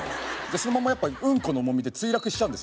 そのままうんこの重みで墜落しちゃうんですね。